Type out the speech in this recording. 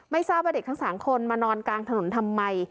ทราบว่าเด็กทั้ง๓คนมานอนกลางถนนทำไม